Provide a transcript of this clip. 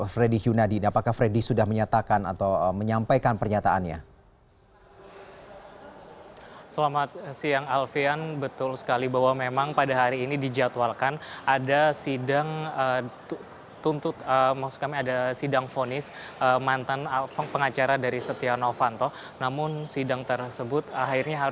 fredri yunadi apakah fredri sudah menyatakan atau menyampaikan pernyataannya